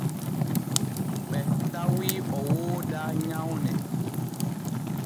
E tawi o wooda nyawne.